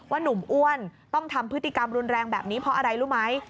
หนุ่มอ้วนต้องทำพฤติกรรมรุนแรงแบบนี้เพราะอะไรรู้ไหม